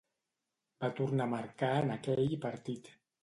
Va tornar a marcar en aquell partit.